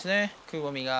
くぼみが。